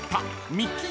ミッキー！